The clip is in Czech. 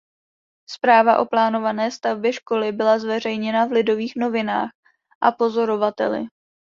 Zpráva o plánované stavbě školy byla zveřejněna v "Lidových novinách" a "Pozorovateli".